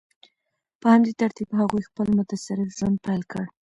په همدې ترتیب هغوی خپل متصرف ژوند پیل کړ.